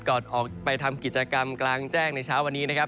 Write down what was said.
ก่อนออกไปทำกิจกรรมกลางแจ้งในเช้าวันนี้นะครับ